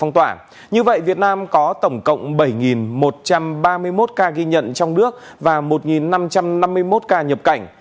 như vậy việt nam có tổng cộng bảy một trăm ba mươi một ca ghi nhận trong nước và một năm trăm năm mươi một ca nhập cảnh